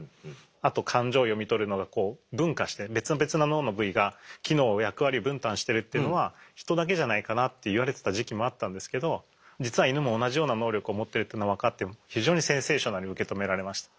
あと感情を読み取るのが分化して別々な脳の部位が機能を役割分担してるっていうのはヒトだけじゃないかなって言われてた時期もあったんですけど実はイヌも同じような能力を持ってるというのが分かって非常にセンセーショナルに受け止められました。